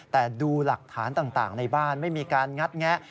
แต่ดูหลักฐานต่างในบ้านไม่มีการงัดแงะ